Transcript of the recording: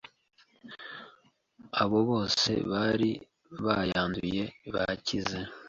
abo bose bari bayanduye bakize.